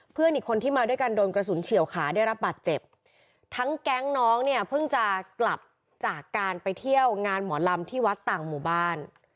เพื่อนอีกคนที่มาด้วยกันโดนกระสุนเฉียวขาได้รับบาดเจ็บทั้งแก๊งน้องเนี่ยเพิ่งจะกลับจากการไปเที่ยวงานหมอลำที่วัดต่างหมู่บ้าน